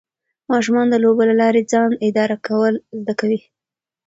ماشومان د لوبو له لارې ځان اداره کول زده کوي.